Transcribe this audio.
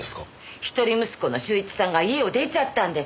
一人息子の修一さんが家を出ちゃったんです。